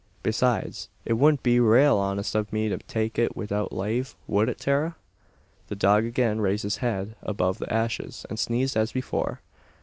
Besides, it wudn't be raal honest av me to take it widout lave wud it, Tara?" The dog again raised his head above the ashes, and sneezed as before.